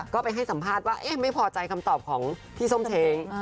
ก็ไปให้สัมภาษณ์ว่าไม่พอใจคำตอบของพี่ส้มเช้ง